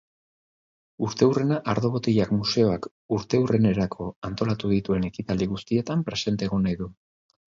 Urteurrena ardo botilak museoak urteurrenerako antolatu dituen ekitaldi guztietan presente egon nahi du.